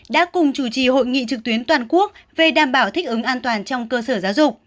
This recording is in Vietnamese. đã cùng chủ trì hội nghị trực tuyến toàn quốc về đảm bảo thích ứng an toàn trong cơ sở giáo dục